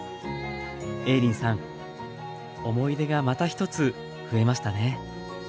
映林さん思い出がまた一つ増えましたね。